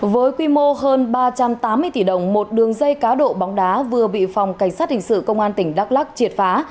với quy mô hơn ba trăm tám mươi tỷ đồng một đường dây cá độ bóng đá vừa bị phòng cảnh sát hình sự công an tỉnh đắk lắc triệt phá